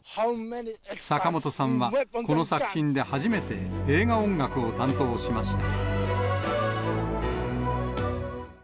坂本さんは、この作品で初めて映画音楽を担当しました。